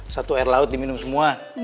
satu air laut diminum semua